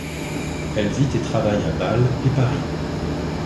Elle vit et travaille à Bâle et Paris.